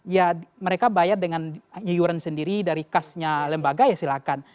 ya mereka bayar dengan iuran sendiri dari kasnya lembaga ya silahkan